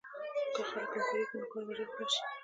که خلک همکاري وکړي، نو کار به ژر خلاص شي.